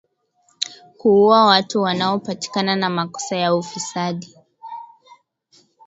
Kuuwa watu wanaopatikana na makosa ya ufisadi